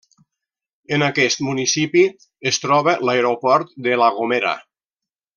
En aquest municipi es troba l'aeroport de La Gomera.